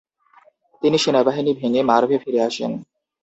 তিনি সেনাবাহিনী ভেঙ্গে মার্ভে ফিরে আসেন।